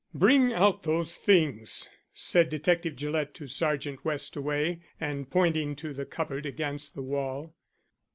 "Bring out those things," said Detective Gillett to Sergeant Westaway, and pointing to the cupboard against the wall.